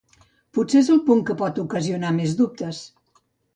Potser és el punt que pot ocasionar més dubtes.